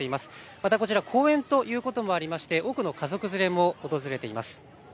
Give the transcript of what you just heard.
またこちら公園ということもありまして多くの家族連れも訪れています。